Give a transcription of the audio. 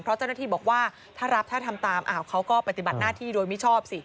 เพราะเจ้าหน้าที่บอกว่าถ้ารับถ้าทำตามเขาก็ปฏิบัติหน้าที่โดยมิชอบสิ